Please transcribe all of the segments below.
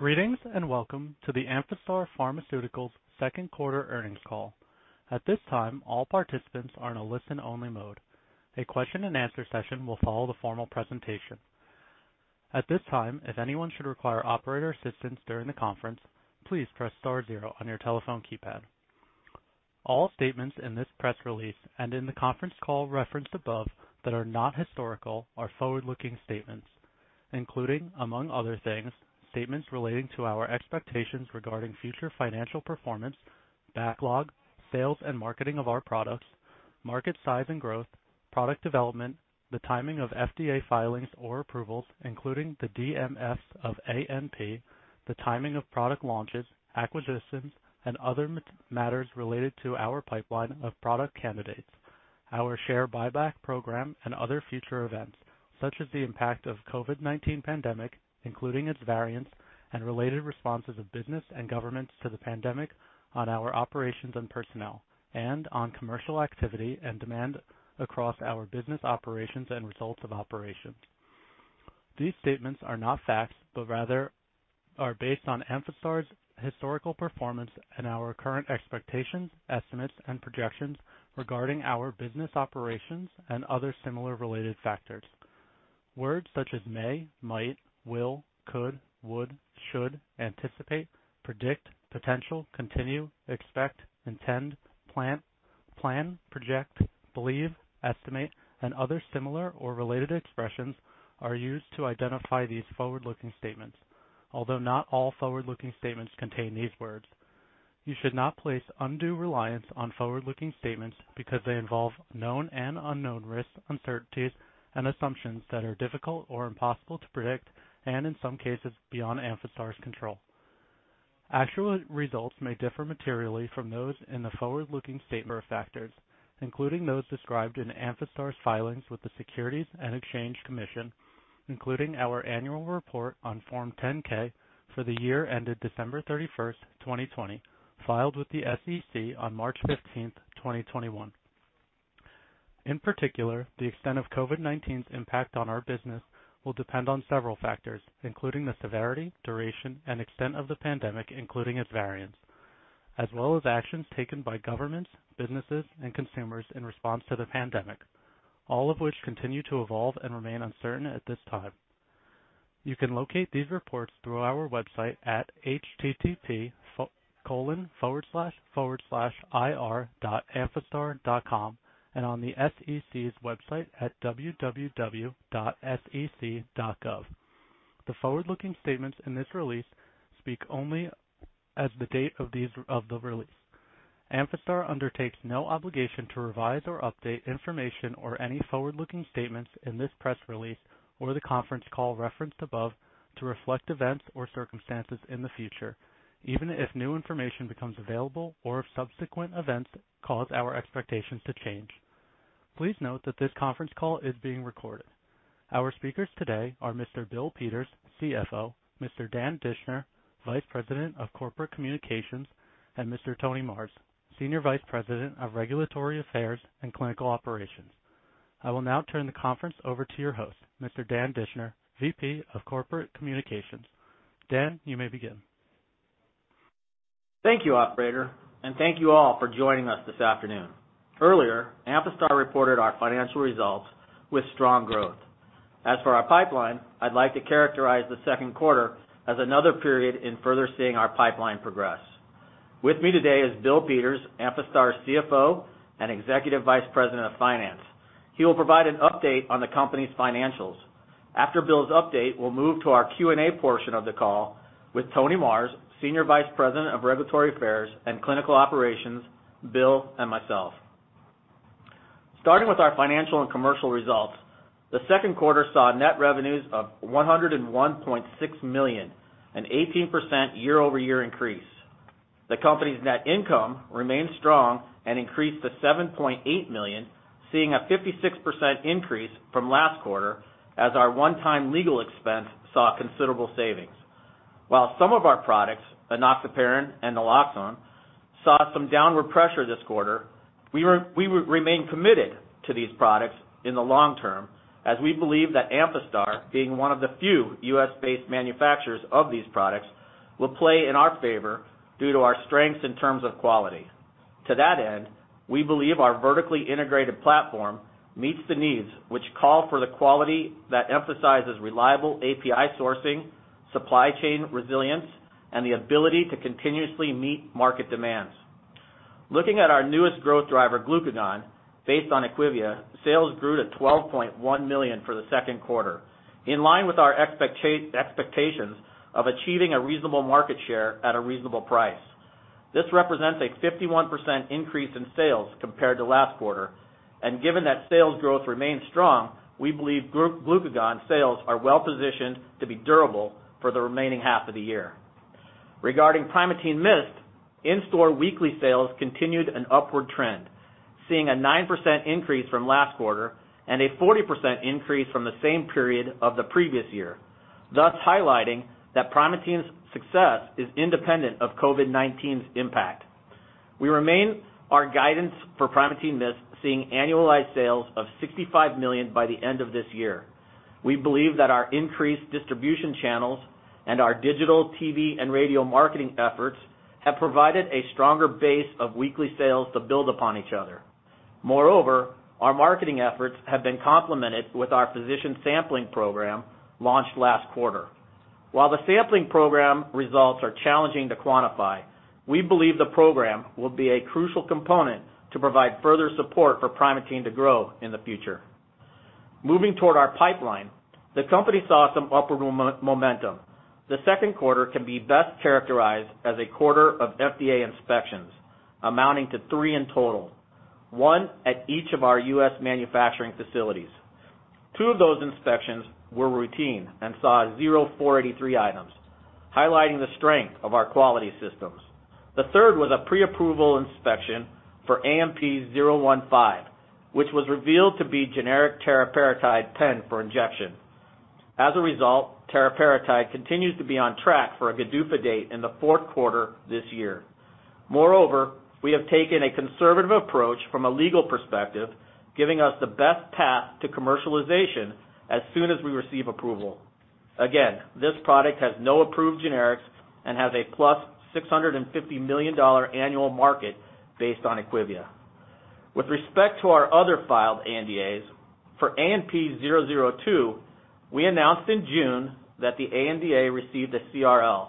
Greetings, and welcome to the Amphastar Pharmaceuticals second quarter earnings call. At this time, all participants are in a listen-only mode. A question and answer session will follow the formal presentation. At this time, if anyone should require operator assistance during the conference, please press star zero on your telephone keypad. All statements in this press release and in the conference call referenced above that are not historical are forward-looking statements including, among other things, statements relating to our expectations regarding future financial performance, backlog, sales, and marketing of our products, market size and growth, product development, the timing of FDA filings or approvals, including the DMF of ANP, the timing of product launches, acquisitions, and other matters related to our pipeline of product candidates, our share buyback program, and other future events such as the impact of COVID-19 pandemic, including its variants and related responses of business and governments to the pandemic on our operations and personnel, and on commercial activity and demand across our business operations and results of operations. These statements are not facts, but rather are based on Amphastar's historical performance and our current expectations, estimates, and projections regarding our business operations and other similar related factors. Words such as may, might, will, could, would, should, anticipate, predict, potential, continue, expect, intend, plan, project, believe, estimate, and other similar or related expressions are used to identify these forward-looking statements. Although not all forward-looking statements contain these words. You should not place undue reliance on forward-looking statements because they involve known and unknown risks, uncertainties, and assumptions that are difficult or impossible to predict, and in some cases, beyond Amphastar's control. Actual results may differ materially from those in the forward-looking statement factors, including those described in Amphastar's filings with the Securities and Exchange Commission, including our annual report on Form 10-K for the year ended December 31st, 2020, filed with the SEC on March 15th, 2021. In particular, the extent of COVID-19's impact on our business will depend on several factors, including the severity, duration, and extent of the pandemic, including its variants, as well as actions taken by governments, businesses, and consumers in response to the pandemic, all of which continue to evolve and remain uncertain at this time. You can locate these reports through our website at http://ir.amphastar.com and on the SEC's website at www.sec.gov. The forward-looking statements in this release speak only as the date of the release. Amphastar undertakes no obligation to revise or update information or any forward-looking statements in this press release or the conference call referenced above to reflect events or circumstances in the future, even if new information becomes available or if subsequent events cause our expectations to change. Please note that this conference call is being recorded. Our speakers today are Mr. Bill Peters, CFO, Mr. Dan Dischner, Vice President of Corporate Communications, and Mr. Tony Marrs, Senior Vice President of Regulatory Affairs and Clinical Operations. I will now turn the conference over to your host, Mr. Dan Dischner, VP of Corporate Communications. Dan, you may begin. Thank you, operator. Thank you all for joining us this afternoon. Earlier, Amphastar reported our financial results with strong growth. As for our pipeline, I'd like to characterize the second quarter as another period in further seeing our pipeline progress. With me today is Bill Peters, Amphastar's CFO and Executive Vice President of Finance. He will provide an update on the company's financials. After Bill's update, we'll move to our Q&A portion of the call with Tony Marrs, Senior Vice President of Regulatory Affairs and Clinical Operations, Bill, and myself. Starting with our financial and commercial results, the second quarter saw net revenues of $101.6 million, an 18% year-over-year increase. The company's net income remained strong and increased to $7.8 million, seeing a 56% increase from last quarter as our one-time legal expense saw considerable savings. While some of our products, enoxaparin and naloxone, saw some downward pressure this quarter, we remain committed to these products in the long term as we believe that Amphastar, being one of the few U.S.-based manufacturers of these products, will play in our favor due to our strengths in terms of quality. To that end, we believe our vertically integrated platform meets the needs which call for the quality that emphasizes reliable API sourcing, supply chain resilience, and the ability to continuously meet market demands. Looking at our newest growth driver, Glucagon, based on IQVIA, sales grew to $12.1 million for the second quarter. In line with our expectations of achieving a reasonable market share at a reasonable price. This represents a 51% increase in sales compared to last quarter. Given that sales growth remains strong, we believe Glucagon sales are well positioned to be durable for the remaining half of the year. Regarding Primatene MIST, in-store weekly sales continued an upward trend, seeing a 9% increase from last quarter and a 40% increase from the same period of the previous year, thus highlighting that Primatene's success is independent of COVID-19's impact. We remain our guidance for Primatene MIST seeing annualized sales of $65 million by the end of this year. We believe that our increased distribution channels and our digital TV and radio marketing efforts have provided a stronger base of weekly sales to build upon each other. Moreover, our marketing efforts have been complemented with our physician sampling program launched last quarter. While the sampling program results are challenging to quantify, we believe the program will be a crucial component to provide further support for Primatene to grow in the future. Moving toward our pipeline, the company saw some upward momentum. The second quarter can be best characterized as a quarter of FDA inspections, amounting to three in total, one at each of our U.S. manufacturing facilities. Two of those inspections were routine and saw 0 483 items, highlighting the strength of our quality systems. The third was a pre-approval inspection for AMP-015, which was revealed to be generic teriparatide pen for injection. As a result, teriparatide continues to be on track for a GDUFA date in the fourth quarter this year. Moreover, we have taken a conservative approach from a legal perspective, giving us the best path to commercialization as soon as we receive approval. Again, this product has no approved generics and has a plus $650 million annual market based on IQVIA. With respect to our other filed ANDAs, for AMP-002, we announced in June that the ANDA received a CRL,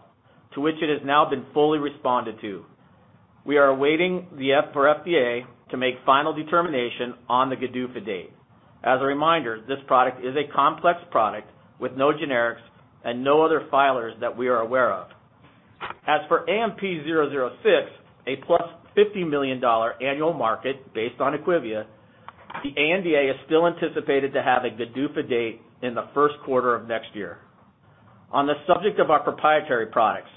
to which it has now been fully responded to. We are awaiting for FDA to make final determination on the GDUFA date. As a reminder, this product is a complex product with no generics and no other filers that we are aware of. As for AMP-006, a plus $50 million annual market based on IQVIA, the ANDA is still anticipated to have a GDUFA date in the first quarter of next year. On the subject of our proprietary products,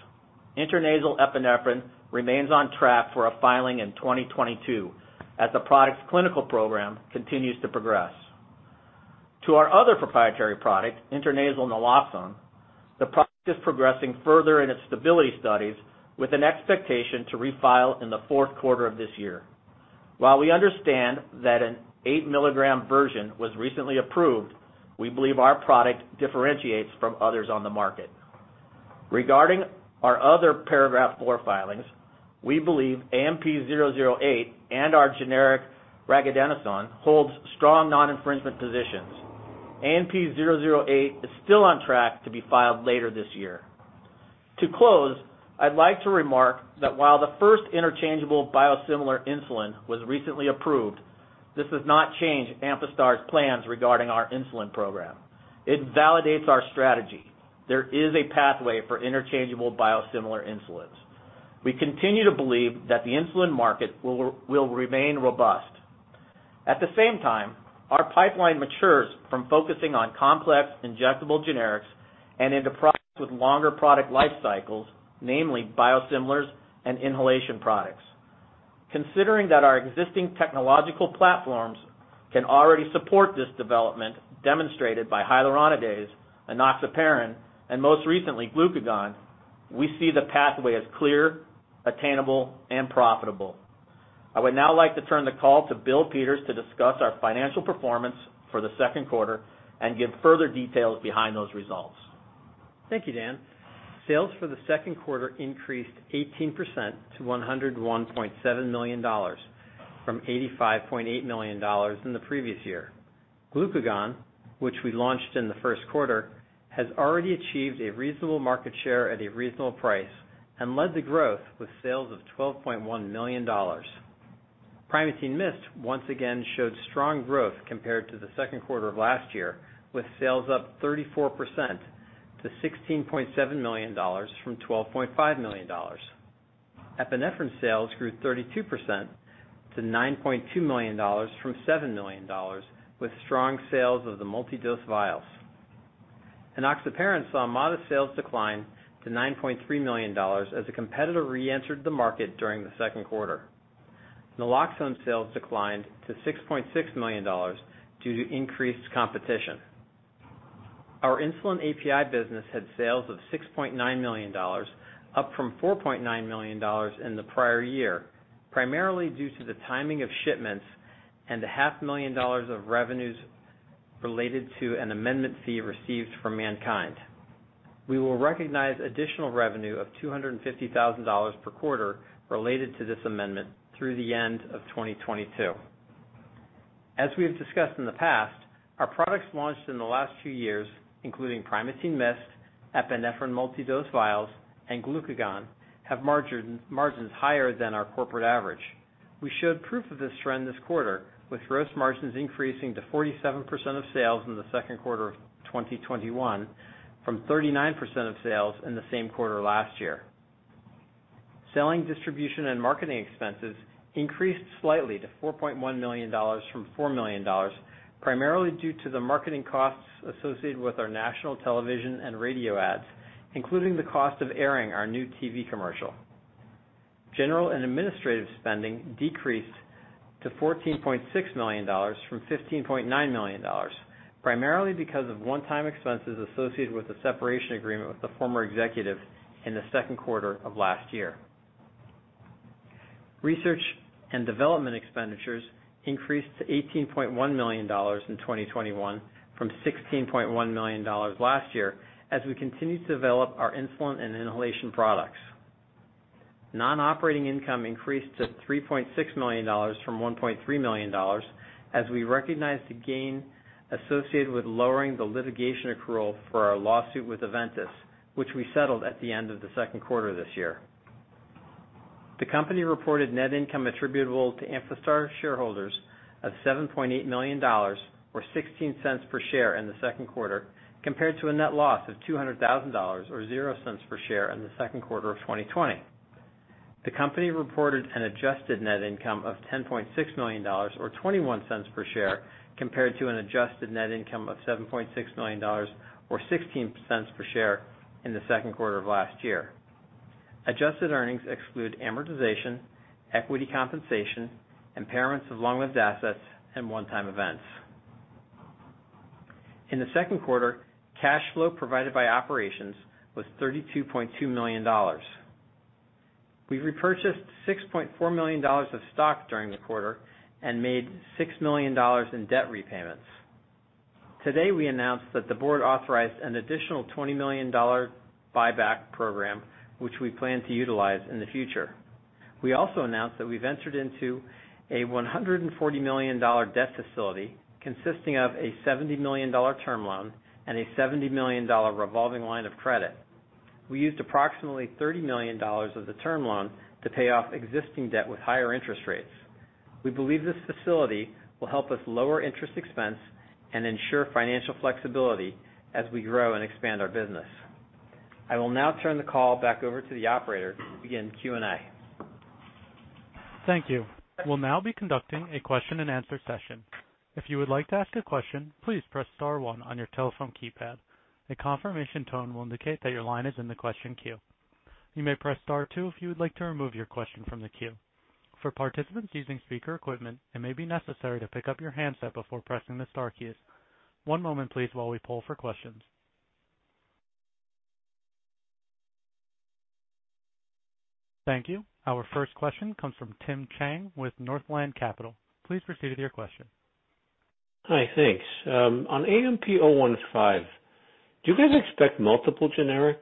intranasal epinephrine remains on track for a filing in 2022 as the product's clinical program continues to progress. To our other proprietary product, intranasal naloxone, the product is progressing further in its stability studies with an expectation to refile in the fourth quarter of this year. While we understand that an 8 mg version was recently approved, we believe our product differentiates from others on the market. Regarding our other Paragraph IV filings, we believe AMP-008 and our generic regadenoson holds strong non-infringement positions. AMP-008 is still on track to be filed later this year. To close, I'd like to remark that while the first interchangeable biosimilar insulin was recently approved, this does not change Amphastar's plans regarding our insulin program. It validates our strategy. There is a pathway for interchangeable biosimilar insulins. We continue to believe that the insulin market will remain robust. At the same time, our pipeline matures from focusing on complex injectable generics and into products with longer product life cycles, namely biosimilars and inhalation products. Considering that our existing technological platforms can already support this development demonstrated by hyaluronidase, enoxaparin, and most recently, glucagon, we see the pathway as clear, attainable, and profitable. I would now like to turn the call to Bill Peters to discuss our financial performance for the second quarter and give further details behind those results. Thank you, Dan. Sales for the second quarter increased 18% to $101.7 million from $85.8 million in the previous year. Glucagon, which we launched in the first quarter, has already achieved a reasonable market share at a reasonable price and led the growth with sales of $12.1 million. Primatene MIST once again showed strong growth compared to the second quarter of last year, with sales up 34% to $16.7 million from $12.5 million. Epinephrine sales grew 32% to $9.2 million from $7 million, with strong sales of the multi-dose vials. Enoxaparin saw modest sales decline to $9.3 million as a competitor reentered the market during the second quarter. Naloxone sales declined to $6.6 million due to increased competition. Our insulin API business had sales of $6.9 million, up from $4.9 million in the prior year, primarily due to the timing of shipments and the half million dollars of revenues related to an amendment fee received from MannKind. We will recognize additional revenue of $250,000 per quarter related to this amendment through the end of 2022. As we have discussed in the past, our products launched in the last few years, including Primatene MIST, epinephrine multi-dose vials, and Glucagon, have margins higher than our corporate average. We showed proof of this trend this quarter, with gross margins increasing to 47% of sales in the second quarter of 2021 from 39% of sales in the same quarter last year. Selling, distribution, and marketing expenses increased slightly to $4.1 million from $4 million, primarily due to the marketing costs associated with our national television and radio ads, including the cost of airing our new TV commercial. General and administrative spending decreased to $14.6 million from $15.9 million, primarily because of one-time expenses associated with the separation agreement with the former executive in the second quarter of last year. Research and development expenditures increased to $18.1 million in 2021 from $16.1 million last year, as we continue to develop our insulin and inhalation products. Non-operating income increased to $3.6 million from $1.3 million as we recognized the gain associated with lowering the litigation accrual for our lawsuit with Aventis, which we settled at the end of the second quarter this year. The company reported net income attributable to Amphastar shareholders of $7.8 million or $0.16 per share in the second quarter, compared to a net loss of $200,000 or $0.00 per share in the second quarter of 2020. The company reported an adjusted net income of $10.6 million or $0.21 per share compared to an adjusted net income of $7.6 million or $0.16 per share in the second quarter of last year. Adjusted earnings exclude amortization, equity, compensation, impairments of long-lived assets, and one-time events. In the second quarter, cash flow provided by operations was $32.2 million. We repurchased $6.4 million of stock during the quarter and made $6 million in debt repayments. Today, we announced that the board authorized an additional $20 million buyback program, which we plan to utilize in the future. We also announced that we've entered into a $140 million debt facility consisting of a $70 million term loan and a $70 million revolving line of credit. We used approximately $30 million of the term loan to pay off existing debt with higher interest rates. We believe this facility will help us lower interest expense and ensure financial flexibility as we grow and expand our business. I will now turn the call back over to the operator to begin Q&A. Thank you. We'll now be conducting a question and answer session. If you would like to ask a question, please press star one on your telephone keypad. The confirmation tone will indicate your line is in the question queue. You may press star two if you would like to remove your question from the queue. For participants using speaker equipment, it may be necessary to pick up your handset before pressing the star queue. One moment please while we poll for questions. Thank you. Our first question comes from Tim Chiang with Northland Capital. Please proceed with your question. Hi, thanks. On AMP-015, do you guys expect multiple generics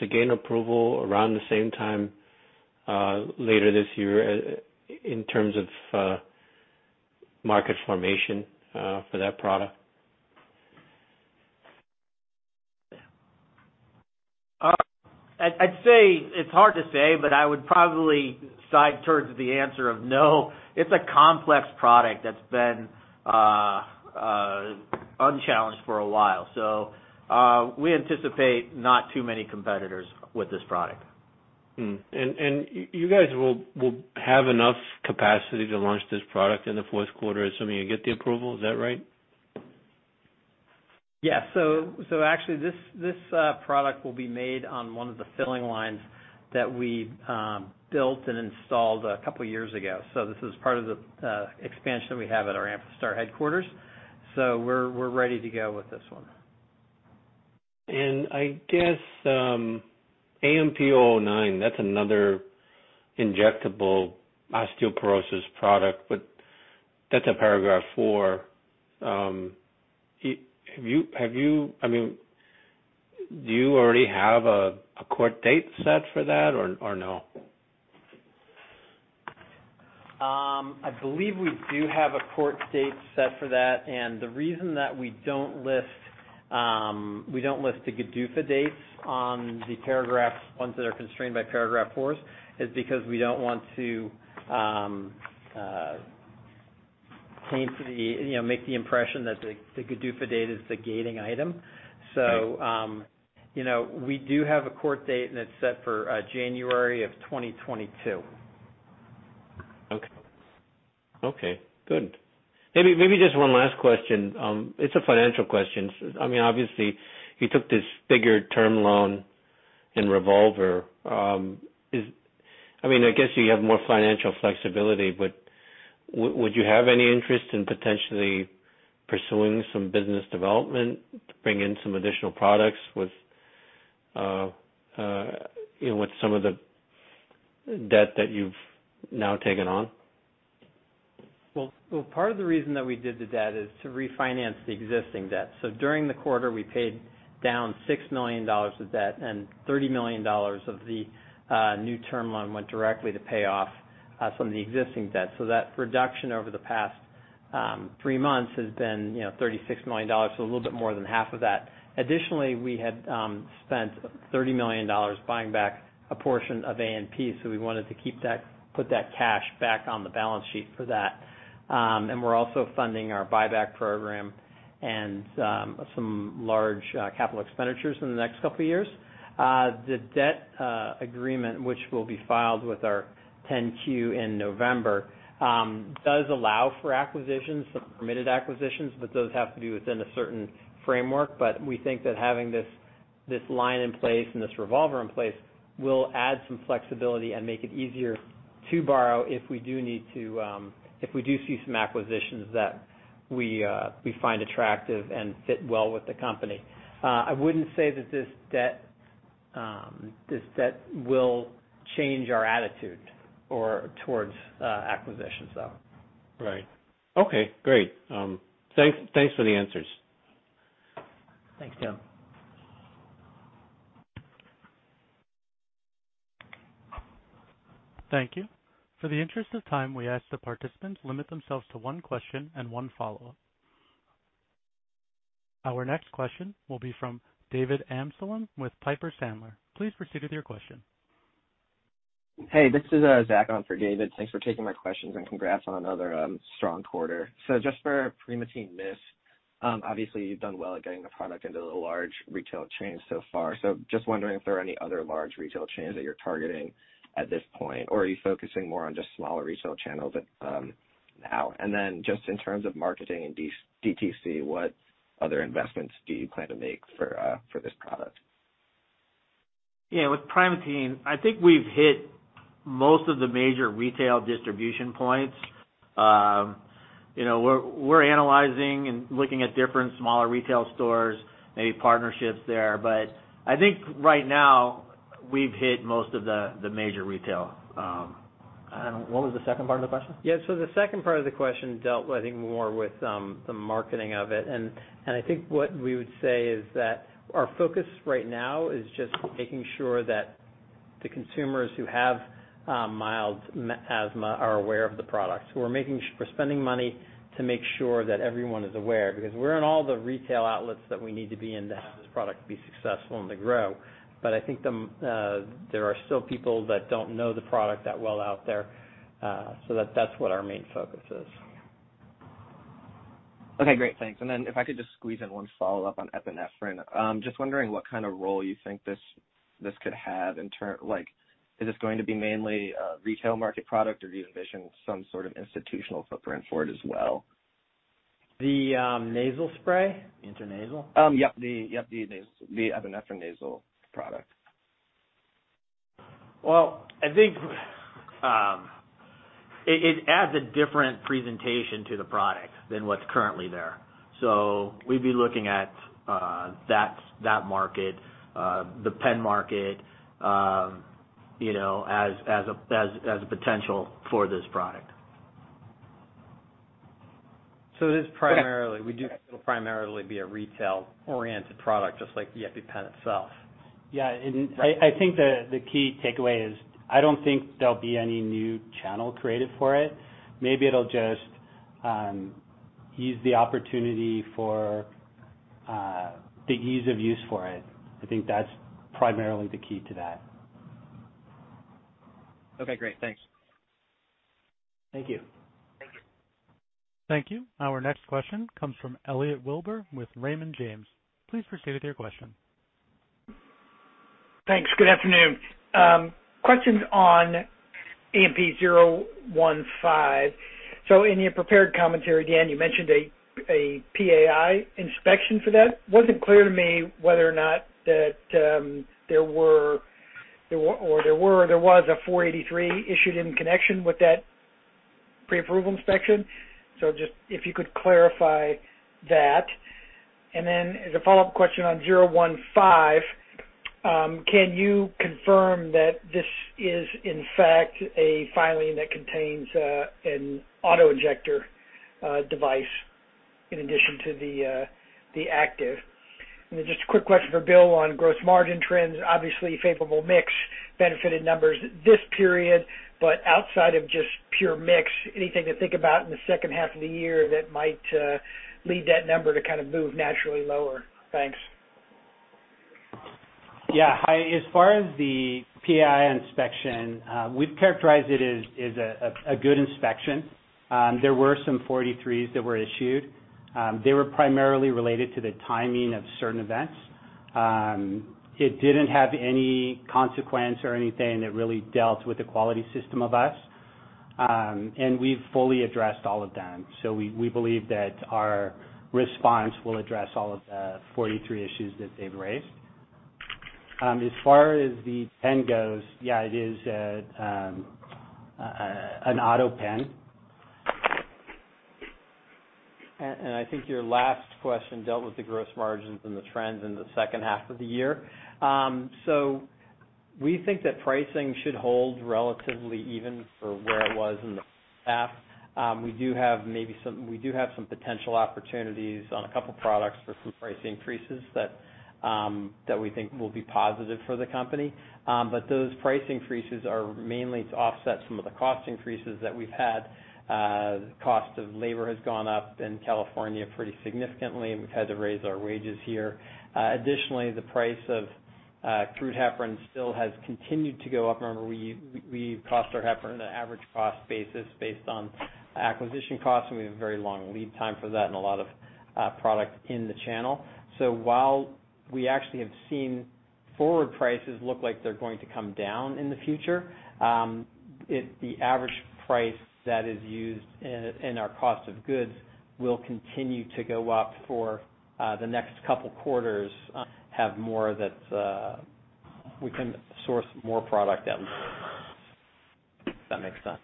to gain approval around the same time later this year in terms of market formation for that product? I'd say it's hard to say, but I would probably side towards the answer of no. It's a complex product that's been unchallenged for a while. We anticipate not too many competitors with this product. You guys will have enough capacity to launch this product in the fourth quarter, assuming you get the approval. Is that right? Yeah. Actually, this product will be made on one of the filling lines that we built and installed a couple of years ago. This is part of the expansion that we have at our Amphastar headquarters. We're ready to go with this one. I guess AMP-009, that's another injectable osteoporosis product, but that's a Paragraph IV. Do you already have a court date set for that or no? I believe we do have a court date set for that. The reason that we don't list the GDUFA dates on the ones that are constrained by Paragraph IV is because we don't want to make the impression that the GDUFA date is the gating item. Right. We do have a court date, and it's set for January of 2022. Okay, good. Maybe just one last question. It's a financial question. Obviously, you took this bigger term loan in Revolver. I guess you have more financial flexibility. Would you have any interest in potentially pursuing some business development to bring in some additional products with some of the debt that you've now taken on? Part of the reason that we did the debt is to refinance the existing debt. During the quarter, we paid down $6 million of debt, and $30 million of the new term loan went directly to pay off some of the existing debt. That reduction over the past three months has been $36 million, so a little bit more than half of that. Additionally, we had spent $30 million buying back a portion of ANP, so we wanted to put that cash back on the balance sheet for that. We're also funding our buyback program and some large capital expenditures in the next couple of years. The debt agreement, which will be filed with our 10-Q in November, does allow for acquisitions, some permitted acquisitions, but those have to be within a certain framework. We think that having this line in place and this revolver in place will add some flexibility and make it easier to borrow if we do see some acquisitions that we find attractive and fit well with the company. I wouldn't say that this debt will change our attitude towards acquisitions, though. Right. Okay, great. Thanks for the answers. Thanks, Tim. Thank you. For the interest of time, we ask that participants limit themselves to one question and one follow-up. Our next question will be from David Amsellem with Piper Sandler. Please proceed with your question. Hey, this is Zach on for David. Thanks for taking my questions. Congrats on another strong quarter. Just for Primatene MIST, obviously, you've done well at getting the product into the large retail chains so far. Just wondering if there are any other large retail chains that you're targeting at this point, or are you focusing more on just smaller retail channels now? Just in terms of marketing and DTC, what other investments do you plan to make for this product? With Primatene, I think we've hit most of the major retail distribution points. We're analyzing and looking at different smaller retail stores, maybe partnerships there. I think right now we've hit most of the major retail. What was the second part of the question? The second part of the question dealt, I think, more with the marketing of it, and I think what we would say is that our focus right now is just making sure that the consumers who have mild asthma are aware of the product. We're spending money to make sure that everyone is aware, because we're in all the retail outlets that we need to be in to have this product be successful and to grow. I think there are still people that don't know the product that well out there. That's what our main focus is. Okay, great. Thanks. If I could just squeeze in one follow-up on epinephrine. Just wondering what kind of role you think this could have in turn, is this going to be mainly a retail market product, or do you envision some sort of institutional footprint for it as well? The nasal spray? Intranasal. Yep. The epinephrine nasal product. Well, I think it adds a different presentation to the product than what's currently there. We'd be looking at that market, the pen market as a potential for this product. It'll primarily be a retail-oriented product, just like the EpiPen itself. Yeah. I think the key takeaway is, I don't think there'll be any new channel created for it. Maybe it'll just use the opportunity for the ease of use for it. I think that's primarily the key to that. Okay, great. Thanks. Thank you. Thank you. Thank you. Our next question comes from Elliot Wilbur with Raymond James. Please proceed with your question. Thanks. Good afternoon. Questions on AMP-015. In your prepared commentary, again, you mentioned a PAI inspection for that. It wasn't clear to me whether or not there was a 483 issued in connection with that pre-approval inspection. Just if you could clarify that. As a follow-up question on 015, can you confirm that this is in fact a filing that contains an auto-injector device in addition to the active? Just a quick question for Bill on gross margin trends. Obviously, favorable mix benefited numbers this period, but outside of just pure mix, anything to think about in the second half of the year that might lead that number to kind of move naturally lower? Thanks. Yeah. As far as the PAI inspection, we'd characterize it as a good inspection. There were some 483s that were issued. They were primarily related to the timing of certain events. It didn't have any consequence or anything that really dealt with the quality system of us. We've fully addressed all of them. We believe that our response will address all of the 483 issues that they've raised. As far as the pen goes, yeah, it is an auto pen. I think your last question dealt with the gross margins and the trends in the second half of the year. We think that pricing should hold relatively even for where it was in the past. We do have some potential opportunities on a couple products for some price increases that we think will be positive for the company. Those price increases are mainly to offset some of the cost increases that we've had. Cost of labor has gone up in California pretty significantly, and we've had to raise our wages here. Additionally, the price of crude heparin still has continued to go up. Remember, we cost our heparin at an average cost basis based on acquisition costs, and we have a very long lead time for that and a lot of product in the channel. While we actually have seen Forward prices look like they're going to come down in the future. The average price that is used in our cost of goods will continue to go up for the next couple quarters, have more that we can source more product out if that makes sense.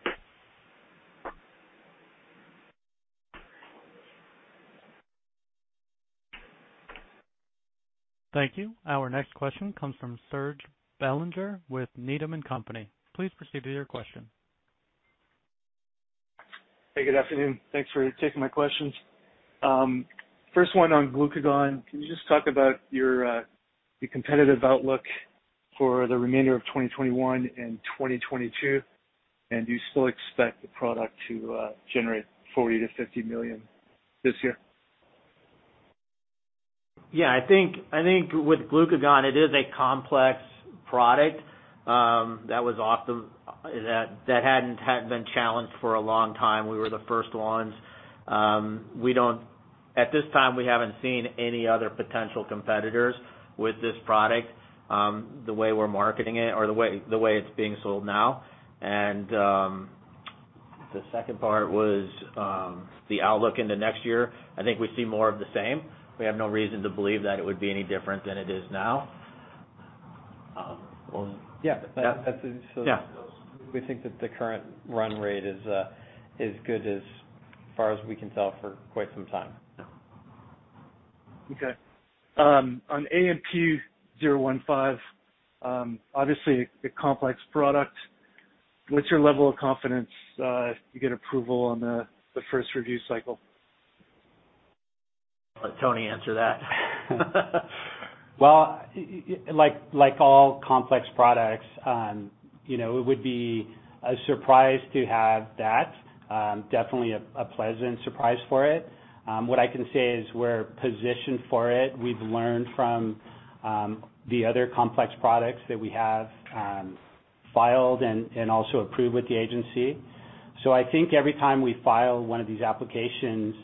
Thank you. Our next question comes from Serge Belanger with Needham & Company. Please proceed with your question. Hey, good afternoon. Thanks for taking my questions. First one on glucagon. Can you just talk about your competitive outlook for the remainder of 2021 and 2022? Do you still expect the product to generate $40 million-$50 million this year? I think with Glucagon, it is a complex product that hadn't been challenged for a long time. We were the first ones. At this time, we haven't seen any other potential competitors with this product, the way we're marketing it or the way it's being sold now. The second part was the outlook into next year. I think we see more of the same. We have no reason to believe that it would be any different than it is now. Yeah. Yeah. We think that the current run rate is good as far as we can tell for quite some time. Okay. On AMP-015, obviously, a complex product. What's your level of confidence to get approval on the first review cycle? I'll let Tony answer that. Well, like all complex products, it would be a surprise to have that. Definitely a pleasant surprise for it. What I can say is we're positioned for it. We've learned from the other complex products that we have filed and also approved with the agency. I think every time we file one of these applications,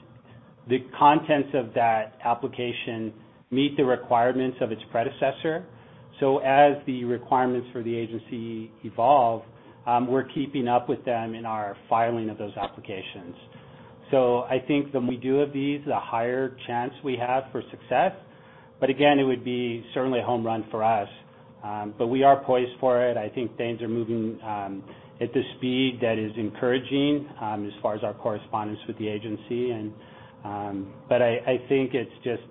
the contents of that application meet the requirements of its predecessor. As the requirements for the agency evolve, we're keeping up with them in our filing of those applications. I think the more we do of these, the higher chance we have for success, but again, it would be certainly a home run for us. We are poised for it. I think things are moving at the speed that is encouraging, as far as our correspondence with the agency. I think it's just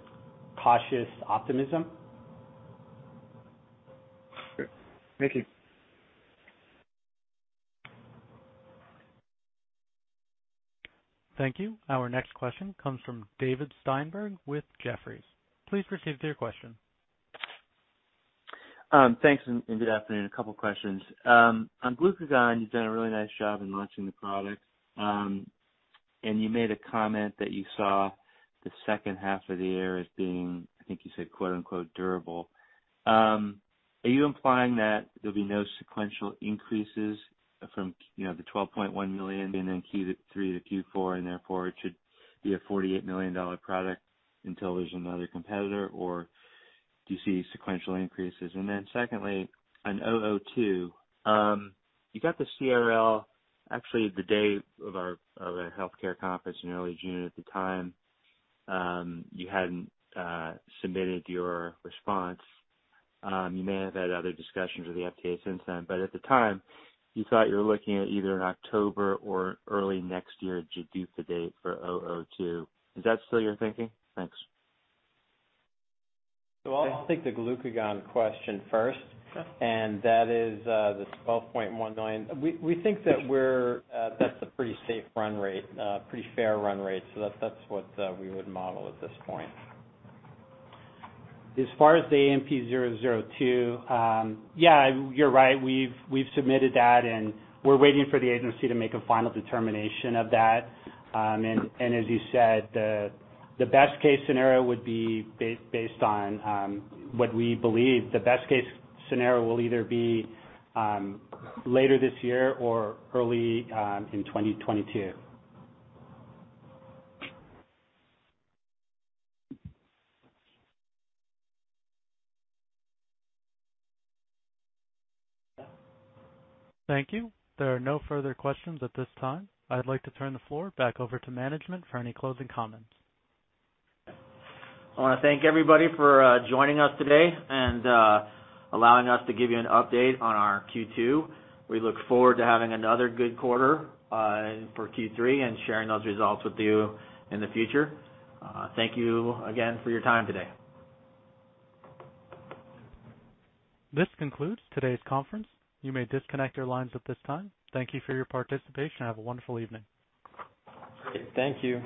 cautious optimism. Sure. Thank you. Thank you. Our next question comes from David Steinberg with Jefferies. Please proceed with your question. Thanks. Good afternoon. A couple questions. On Glucagon, you've done a really nice job in launching the product. You made a comment that you saw the second half of the year as being, I think you said, quote-unquote, "durable." Are you implying that there'll be no sequential increases from the $12.1 million in Q3 to Q4, and therefore it should be a $48 million product until there's another competitor, or do you see sequential increases? Secondly, on AMP-002, you got the CRL, actually, the day of a healthcare conference in early June. At the time, you hadn't submitted your response. You may have had other discussions with the FDA since then, but at the time, you thought you were looking at either an October or early next year PDUFA date for AMP-002. Is that still your thinking? Thanks. I'll take the glucagon question first. Sure. That is the $12.1 million. We think that's a pretty safe run rate, pretty fair run rate. That's what we would model at this point. As far as the AMP-002, yeah, you're right. We've submitted that, and we're waiting for the agency to make a final determination of that. As you said, the best-case scenario would be based on what we believe the best-case scenario will either be later this year or early in 2022. Thank you. There are no further questions at this time. I'd like to turn the floor back over to management for any closing comments. I want to thank everybody for joining us today and allowing us to give you an update on our Q2. We look forward to having another good quarter for Q3 and sharing those results with you in the future. Thank you again for your time today. This concludes today's conference. You may disconnect your lines at this time. Thank you for your participation and have a wonderful evening. Great. Thank you.